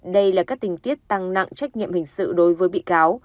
đây là các tình tiết tăng nặng trách nhiệm hình sự đối với bị cáo